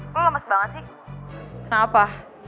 kok lemes banget sih kenapa